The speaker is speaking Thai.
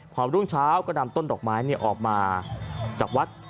พอรุ่งเช้าก็นำต้นดอกไม้ออกมาจากวัด